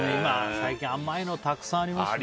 最近、甘いのたくさんありますね。